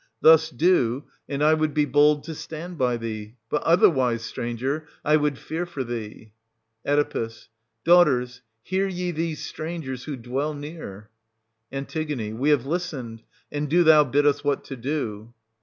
Thus do, and I would 491—517] OEDIPUS AT COLONUS. 79 be bold to stand by thee ; but otherwise, stranger, I would fear for thee. Oe. Daughters, hear ye these strangers, who dwell near ? An. We have listened ; and do thou bid us what to do.